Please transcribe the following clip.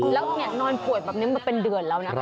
แล้วนอนป่วยแบบนี้มาเป็นเดือนแล้วนะ